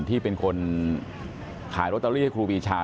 ที่เป็นคนขายลอตเตอรี่ให้ครูปีชา